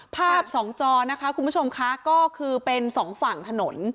สองจอนะคะคุณผู้ชมค่ะก็คือเป็นสองฝั่งถนน